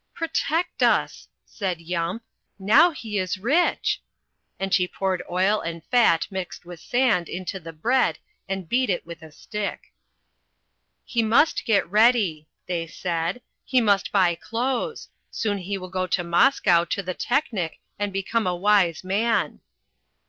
"Protect us!" said Yump. "Now he is rich!" and she poured oil and fat mixed with sand into the bread and beat it with a stick. "He must get ready," they said. "He must buy clothes. Soon he will go to Moscow to the Teknik and become a wise man."